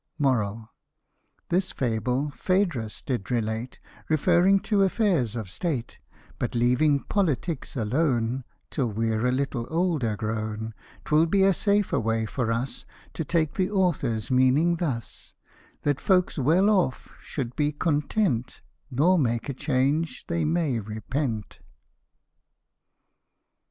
6 This fable Phaedrus did relate, Referring to affairs of state : But leaving politics alone Till we're a little older grown, 'Twill be a safer way for us, To take the author's meaning thus, That folks well off should be content, Nor make a change they may repent.